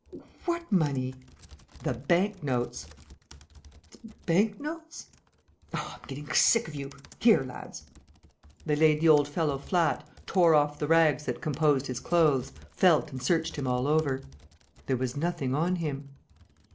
"What money?" "The bank notes." "The bank notes?" "Oh, I'm getting sick of you! Here, lads...." They laid the old fellow flat, tore off the rags that composed his clothes, felt and searched him all over. There was nothing on him.